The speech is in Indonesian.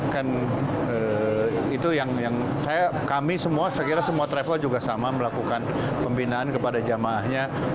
kan itu yang kami semua sekiranya semua travel juga sama melakukan pembinaan kepada jemaahnya